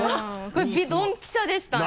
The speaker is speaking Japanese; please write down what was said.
これドンピシャでしたね。